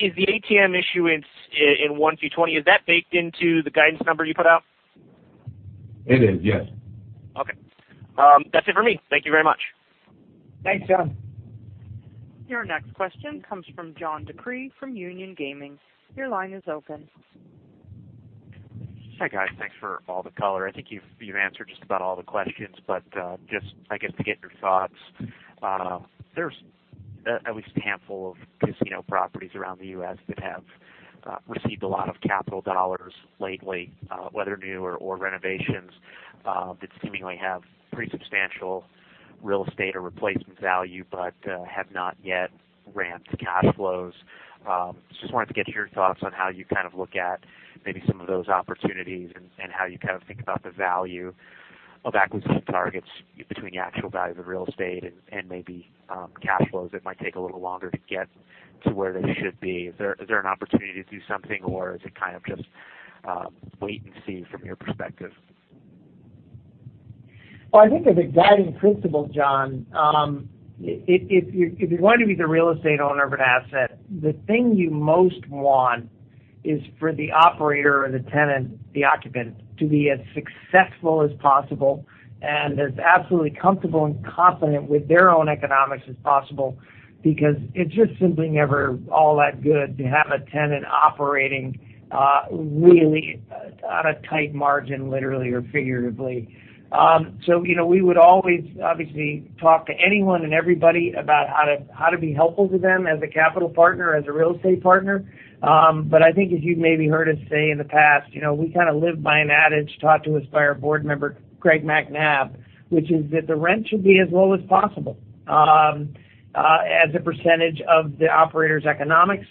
Is the ATM issuance in one through 20, is that baked into the guidance number you put out? It is, yes. Okay. That's it for me. Thank you very much. Thanks, John. Your next question comes from John DeCree from Union Gaming. Your line is open. Hi, guys. Thanks for all the color. I think you've answered just about all the questions, but just, I guess, to get your thoughts. There's at least a handful of casino properties around the U.S. that have received a lot of capital dollars lately, whether new or renovations, that seemingly have pretty substantial real estate or replacement value, but have not yet ramped cash flows. Just wanted to get your thoughts on how you kind of look at maybe some of those opportunities and how you kind of think about the value of acquisition targets between the actual value of the real estate and maybe cash flows that might take a little longer to get to where they should be. Is there an opportunity to do something, or is it kind of just wait and see from your perspective? Well, I think as a guiding principle, John, if you're going to be the real estate owner of an asset, the thing you most want is for the operator or the tenant, the occupant, to be as successful as possible and as absolutely comfortable and confident with their own economics as possible, because it's just simply never all that good to have a tenant operating really on a tight margin, literally or figuratively. We would always obviously talk to anyone and everybody about how to be helpful to them as a capital partner, as a real estate partner. I think as you've maybe heard us say in the past, we kind of live by an adage taught to us by our board member, Craig Macnab, which is that the rent should be as low as possible as a percentage of the operator's economics.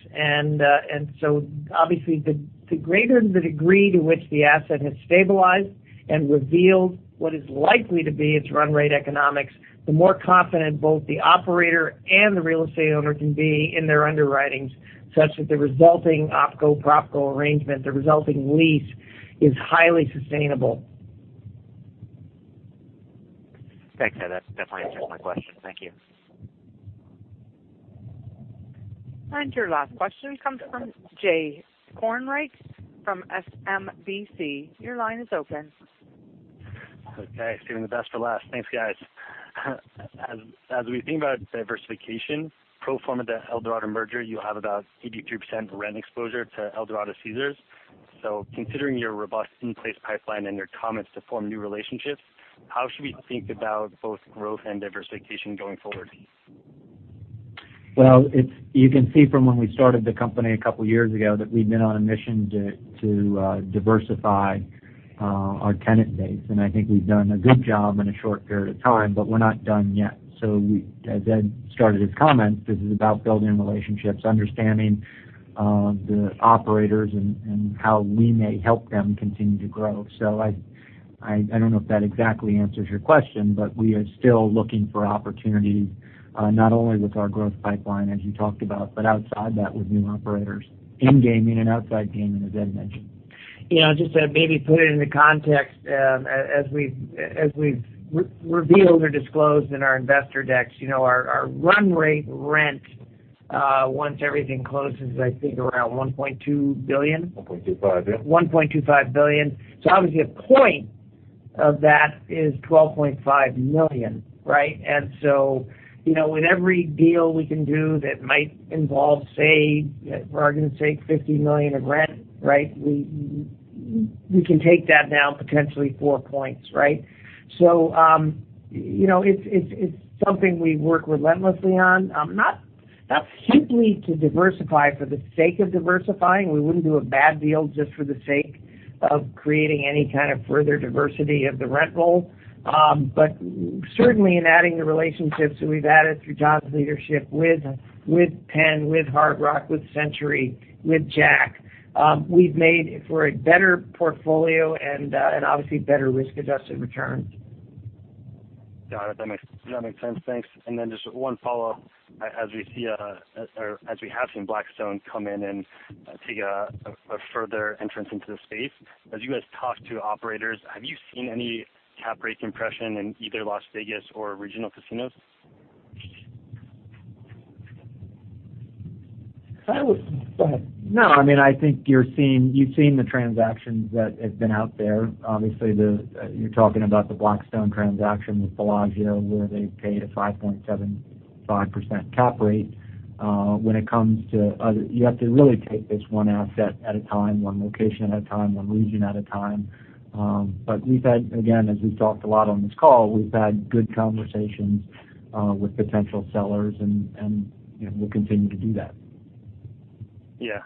Obviously the greater the degree to which the asset has stabilized and revealed what is likely to be its run rate economics, the more confident both the operator and the real estate owner can be in their underwritings, such that the resulting OpCo, PropCo arrangement, the resulting lease, is highly sustainable. Thanks. That definitely answers my question. Thank you. Your last question comes from Jay Kornreich from SMBC. Your line is open. Okay, saving the best for last. Thanks, guys. As we think about diversification, pro forma the Eldorado merger, you'll have about 83% rent exposure to Eldorado Caesars. Considering your robust in-place pipeline and your comments to form new relationships, how should we think about both growth and diversification going forward? Well, you can see from when we started the company a couple of years ago that we've been on a mission to diversify our tenant base. I think we've done a good job in a short period of time, we're not done yet. As Ed started his comments, this is about building relationships, understanding the operators, and how we may help them continue to grow. I don't know if that exactly answers your question, we are still looking for opportunities, not only with our growth pipeline as you talked about, but outside that with new operators, in gaming and outside gaming, as Ed mentioned. Just to maybe put it into context, as we've revealed or disclosed in our investor decks, our run rate rent, once everything closes, is I think around $1.2 billion. $1.25 billion. $1.25 billion. Obviously, a point of that is $12.5 million, right? With every deal we can do that might involve, say, for argument's sake, $50 million of rent, we can take that down potentially four points. It's something we work relentlessly on. Not simply to diversify for the sake of diversifying. We wouldn't do a bad deal just for the sake of creating any kind of further diversity of the rent roll. Certainly in adding the relationships that we've added through John's leadership with PENN, with Hard Rock, with Century, with JACK, we've made for a better portfolio and obviously better risk-adjusted returns. Got it. That makes sense. Thanks. Just one follow-up. As we have seen Blackstone come in and take a further entrance into the space, as you guys talk to operators, have you seen any cap rate compression in either Las Vegas or regional casinos? I think you've seen the transactions that have been out there. Obviously, you're talking about the Blackstone transaction with Bellagio, where they paid a 5.75% cap rate. When it comes to other, you have to really take this one asset at a time, one location at a time, one region at a time. We've had, again, as we've talked a lot on this call, we've had good conversations with potential sellers and we'll continue to do that. Yeah.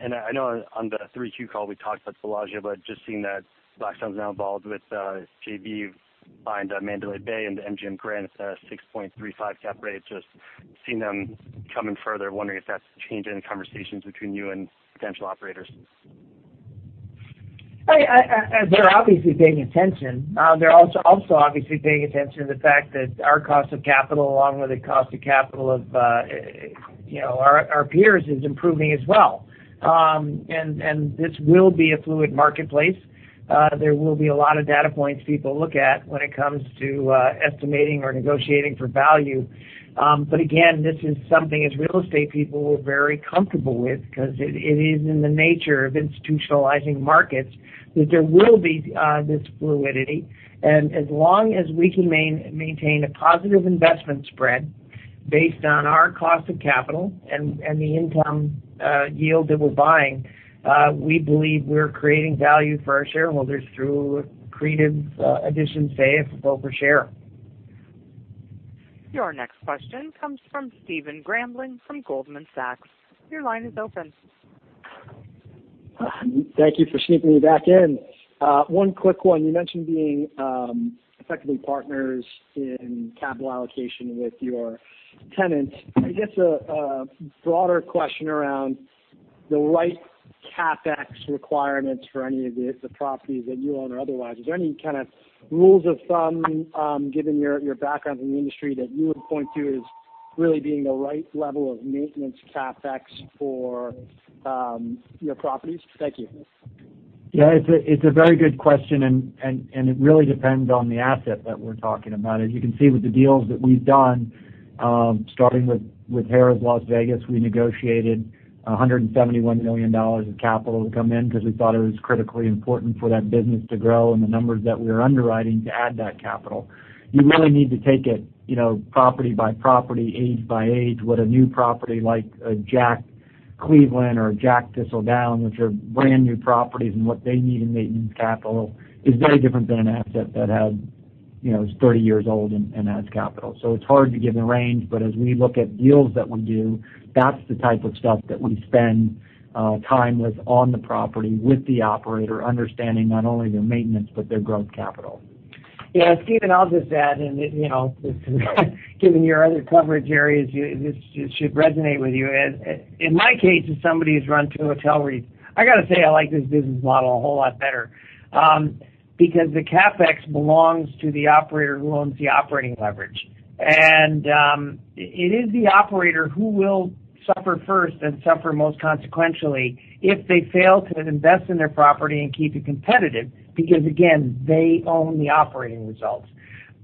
I know on the 3Q call, we talked about Bellagio, but just seeing that Blackstone's now involved with a JV behind Mandalay Bay and the MGM Grand at a 6.35 cap rate, just seeing them coming further, wondering if that's changed any conversations between you and potential operators. They're obviously paying attention. They're also obviously paying attention to the fact that our cost of capital, along with the cost of capital of our peers, is improving as well. This will be a fluid marketplace. There will be a lot of data points people look at when it comes to estimating or negotiating for value. Again, this is something as real estate people, we're very comfortable with because it is in the nature of institutionalizing markets that there will be this fluidity. As long as we can maintain a positive investment spread based on our cost of capital and the income yield that we're buying, we believe we're creating value for our shareholders through accretive addition, say, of book or share. Your next question comes from Stephen Grambling from Goldman Sachs. Your line is open. Thank you for sneaking me back in. One quick one. You mentioned being effectively partners in capital allocation with your tenants. I guess a broader question around the right CapEx requirements for any of the properties that you own or otherwise. Is there any kind of rules of thumb, given your background in the industry, that you would point to as really being the right level of maintenance CapEx for your properties? Thank you. It's a very good question, it really depends on the asset that we're talking about. As you can see with the deals that we've done, starting with Harrah's Las Vegas, we negotiated $171 million of capital to come in because we thought it was critically important for that business to grow and the numbers that we were underwriting to add that capital. You really need to take it property by property, age by age. What a new property like a JACK Cleveland or a JACK Thistledown, which are brand-new properties and what they need in maintenance capital is very different than an asset that is 30 years old and adds capital. It's hard to give a range, but as we look at deals that we do, that's the type of stuff that we spend time with on the property with the operator, understanding not only their maintenance, but their growth capital. Yeah, Stephen, I'll just add in, given your other coverage areas, this should resonate with you. In my case, as somebody who's run two hotel REITs, I got to say I like this business model a whole lot better, because the CapEx belongs to the operator who owns the operating leverage. It is the operator who will suffer first and suffer most consequentially if they fail to invest in their property and keep it competitive, because again, they own the operating results.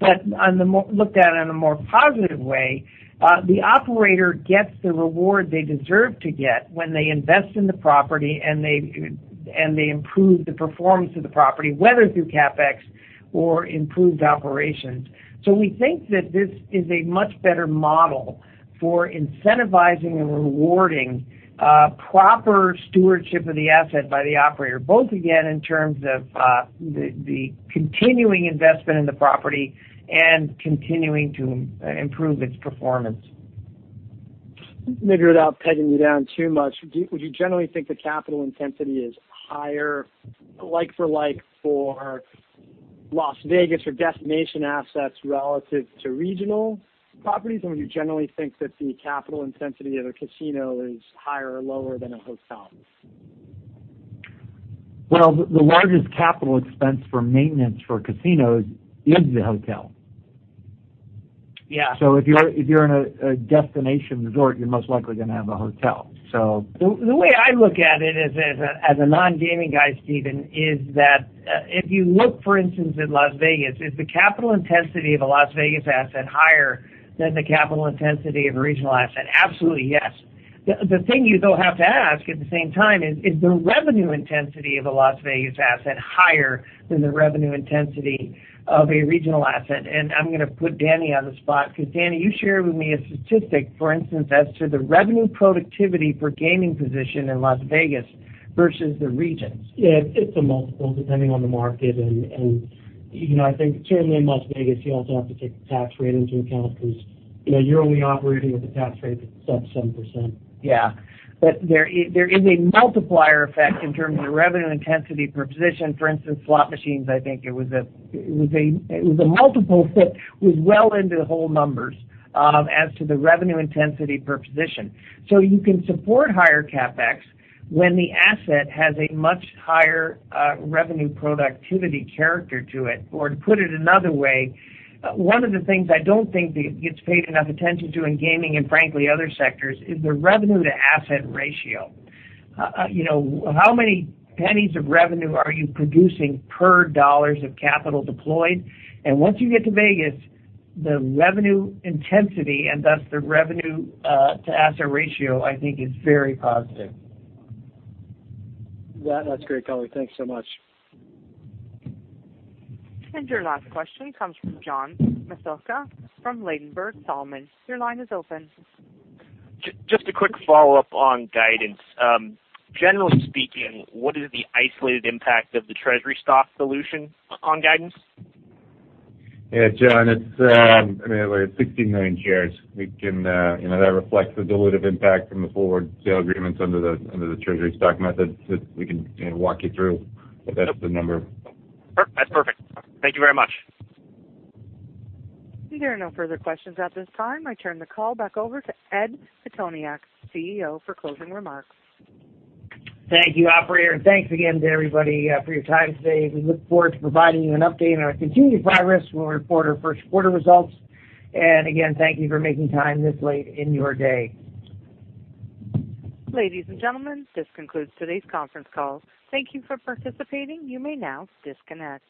Looked at in a more positive way, the operator gets the reward they deserve to get when they invest in the property and they improve the performance of the property, whether through CapEx or improved operations. We think that this is a much better model for incentivizing and rewarding proper stewardship of the asset by the operator, both again in terms of the continuing investment in the property and continuing to improve its performance. Maybe without pegging you down too much, would you generally think the capital intensity is higher like for like for Las Vegas or destination assets relative to regional properties? Would you generally think that the capital intensity of a casino is higher or lower than a hotel? Well, the largest capital expense for maintenance for casinos is the hotel. Yeah. If you're in a destination resort, you're most likely going to have a hotel. The way I look at it as a non-gaming guy, Stephen, is that if you look, for instance, at Las Vegas, is the capital intensity of a Las Vegas asset higher than the capital intensity of a regional asset? Absolutely, yes. The thing you though have to ask at the same time is the revenue intensity of a Las Vegas asset higher than the revenue intensity of a regional asset? I'm going to put Danny on the spot because Danny, you shared with me a statistic, for instance, as to the revenue productivity per gaming position in Las Vegas versus the regions. Yeah, it's a multiple depending on the market. I think certainly in Las Vegas, you also have to take the tax rate into account because you're only operating with a tax rate that's sub 7%. Yeah. There is a multiplier effect in terms of revenue intensity per position. For instance, slot machines, I think it was a multiple that was well into the whole numbers as to the revenue intensity per position. You can support higher CapEx when the asset has a much higher revenue productivity character to it, or to put it another way, one of the things I don't think that gets paid enough attention to in gaming and frankly, other sectors is the revenue to asset ratio. How many pennies of revenue are you producing per dollars of capital deployed? Once you get to Vegas, the revenue intensity and thus the revenue to asset ratio, I think is very positive. That's great color. Thanks so much. Your last question comes from John Massocca from Ladenburg Thalmann. Your line is open. Just a quick follow-up on guidance. Generally speaking, what is the isolated impact of the treasury stock solution on guidance? Yeah, John, it's 16 million shares. That reflects the dilutive impact from the forward sale agreements under the treasury stock method that we can walk you through. That's the number. That's perfect. Thank you very much. There are no further questions at this time. I turn the call back over to Ed Pitoniak, CEO, for closing remarks. Thank you, operator. Thanks again to everybody for your time today. We look forward to providing you an update on our continued progress when we report our first quarter results. Again, thank you for making time this late in your day. Ladies and gentlemen, this concludes today's conference call. Thank you for participating. You may now disconnect.